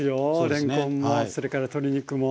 れんこんもそれから鶏肉も。